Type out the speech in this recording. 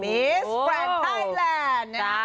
แฟนไทยแลนด์